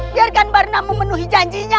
biarkan barna memenuhi janjinya